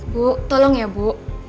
bu tolong ya bu